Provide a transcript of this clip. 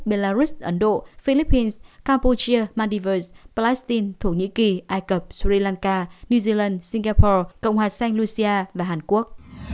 belarus ấn độ philippines campuchia maldives palestine thổ nhĩ kỳ ai cập sri lanka new zealand singapore cộng hòa xanh lucia và hàn quốc